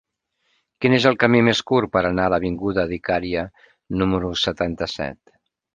Quin és el camí més curt per anar a l'avinguda d'Icària número setanta-set?